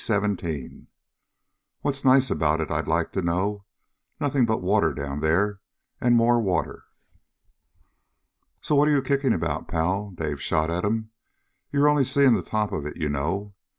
"What's nice about it, I'd like to know? Nothing but water down there. And more water!" "So what are you kicking about, Pal?" Dave shot at him. "You're only seeing the top of it, you know.